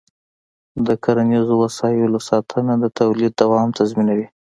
د کرنيزو وسایلو ساتنه د تولید دوام تضمینوي.